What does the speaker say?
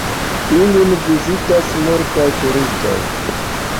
Ilin vizitas multaj turistoj.